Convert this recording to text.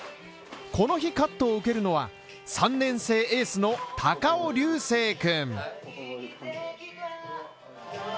この日カットを受けるのは３年生エースの高尾流星君。